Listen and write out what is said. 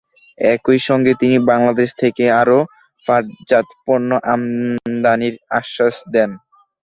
একই সঙ্গে তিনি বাংলাদেশ থেকে আরও পাটজাত পণ্য আমদানির আশ্বাস দেন।